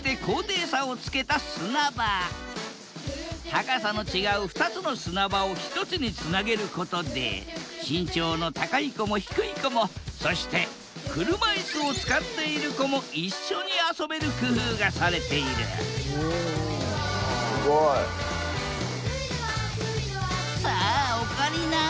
高さの違う２つの砂場を１つにつなげることで身長の高い子も低い子もそして車いすを使っている子も一緒に遊べる工夫がされているさあオカリナ